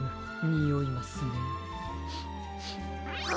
においますね！